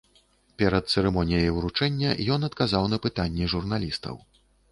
Перад цырымоніяй уручэння ён адказаў на пытанні журналістаў.